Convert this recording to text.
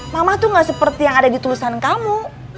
mama tuh gak seperti yang ada di tulisan kamu